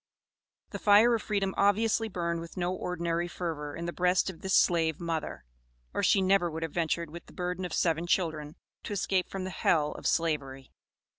The fire of freedom obviously burned with no ordinary fervor in the breast of this slave mother, or she never would have ventured with the burden of seven children, to escape from the hell of Slavery.